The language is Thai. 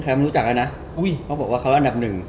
กูรู้จักแล้วนะเขาบอกว่าเขาอันดับ๑